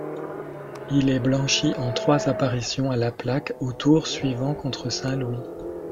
Il est blanchi en trois apparitions à la plaque au tour suivant contre Saint-Louis.